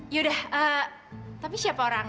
yaudah tapi siapa orangnya